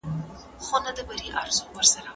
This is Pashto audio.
د هر افغان وینه ډېره قیمتي ده.